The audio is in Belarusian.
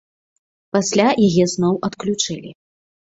Пасля яе зноў адключылі.